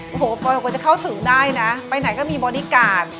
โอ้โหปลอยกว่าจะเข้าถึงได้นะไปไหนก็มีบอดี้การ์ด